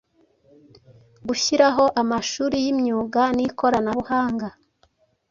gushyiraho amashuri y'imyuga n'ikoranabuhanga,